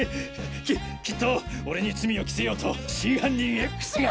ききっと俺に罪を着せようと真犯人“Ｘ”が。